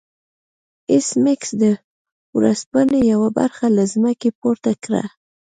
ایس میکس د ورځپاڼې یوه برخه له ځمکې پورته کړه